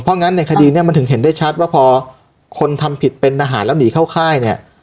เพราะงั้นในคดีเนี่ยมันถึงเห็นได้ชัดว่าพอคนทำผิดเป็นทหารแล้วหนีเข้าค่ายเนี่ย